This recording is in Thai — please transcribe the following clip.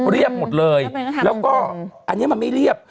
เรียบหมดเลยแล้วก็อันนี้มันไม่เรียบ